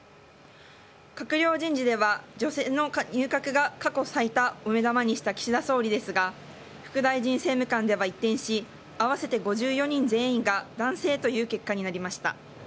閣僚人事では、女性の入閣が過去最多を目玉にした岸田総理ですが副大臣政務官では一転し合わせて５４人全員が男性という結果になりました。